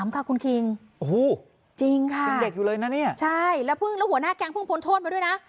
๑๓ค่ะคุณคิงจริงค่ะใช่แล้วหัวหน้าแก๊งเพิ่งพ้นโทษมาด้วยนะ